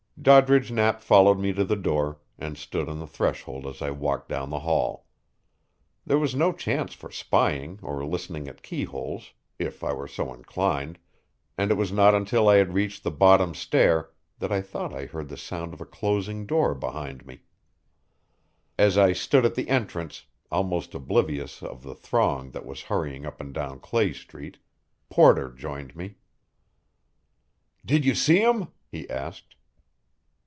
Doddridge Knapp followed me to the door, and stood on the threshold as I walked down the hall. There was no chance for spying or listening at keyholes, if I were so inclined, and it was not until I had reached the bottom stair that I thought I heard the sound of a closing door behind me. As I stood at the entrance, almost oblivious of the throng that was hurrying up and down Clay Street, Porter joined me. "Did you see him?" he asked.